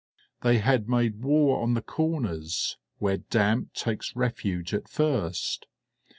They had made war on the corners, where damp takes refuge at first.